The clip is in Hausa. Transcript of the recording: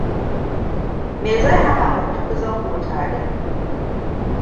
Me zai hana mu tafi zango tare?